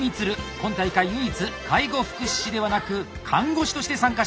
今大会唯一介護福祉士ではなく看護師として参加しています！